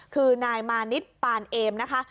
คือนายมานิดปานเอมนะคะ